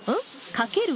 かける？